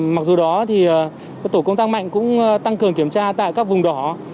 mặc dù đó thì tổ công tác mạnh cũng tăng cường kiểm tra tại các vùng đỏ